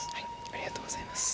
ありがとうございます。